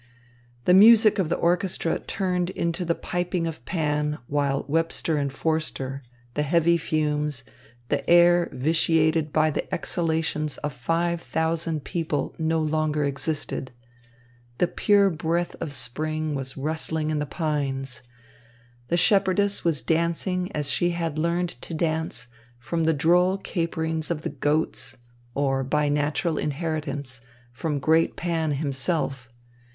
The music of the orchestra turned into the piping of Pan, while Webster and Forster, the heavy fumes, the air vitiated by the exhalations of five thousand people no longer existed. The pure breath of spring was rustling in the pines. The shepherdess was dancing as she had learned to dance from the droll caperings of the goats or, by natural inheritance, from great Pan himself.